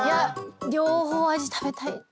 両方味食べたい。